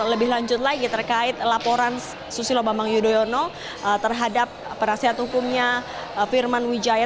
lebih lanjut lagi terkait laporan susilo bambang yudhoyono terhadap penasihat hukumnya firman wijaya